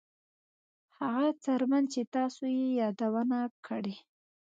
هغه څرمن چې تاسو یې یادونه کړې